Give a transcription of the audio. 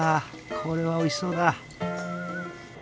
これはおいしそうだ！